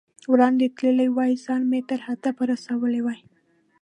وړاندې تللی وای، ځان مې تر هدف رسولی وای.